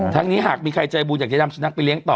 นี้หากมีใครใจบุญอยากจะนำสุนัขไปเลี้ยต่อ